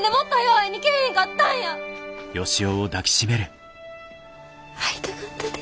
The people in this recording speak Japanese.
会いたかったで。